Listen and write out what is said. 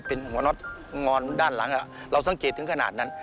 เป็นหัวน็อตงอนด้านหลังเราสังเกตถึงขนาดนั้น